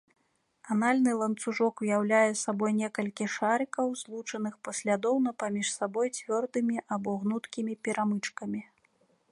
Анальны ланцужок уяўляе сабой некалькі шарыкаў, злучаных паслядоўна паміж сабой цвёрдымі або гнуткімі перамычкамі.